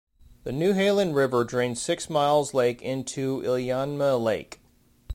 The Newhalen River drains Six Mile Lake into Iliamna Lake.